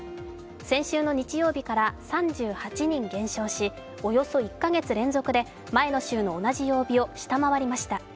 先週の日曜日から３８人減少し、およそ１カ月連続で前の週の同じ曜日を下回りました。